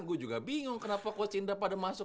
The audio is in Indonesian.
gue juga bingung kenapa coach indra pada masuk